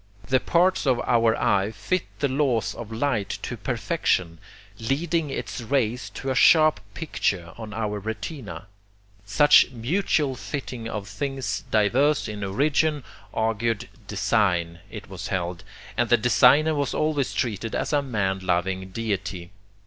The parts of our eye fit the laws of light to perfection, leading its rays to a sharp picture on our retina. Such mutual fitting of things diverse in origin argued design, it was held; and the designer was always treated as a man loving deity.